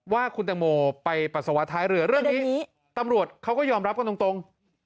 ว่าคุณตังโมไปปัสสาวะท้ายเรือเรื่องนี้ตำรวจเขาก็ยอมรับกันตรง